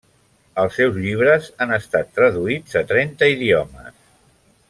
Els seus llibres han estat traduïts a trenta idiomes.